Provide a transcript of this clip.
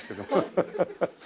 ハハハハ。